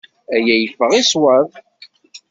Aya yeffeɣ i ṣṣwab.